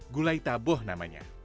gulai taboh namanya